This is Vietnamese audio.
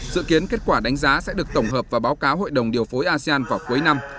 dự kiến kết quả đánh giá sẽ được tổng hợp và báo cáo hội đồng điều phối asean vào cuối năm